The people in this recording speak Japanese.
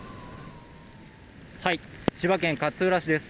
千葉県勝浦市です。